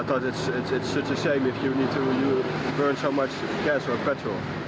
dan saya pikir itu sama sekali jika anda membuang banyak gas atau petrol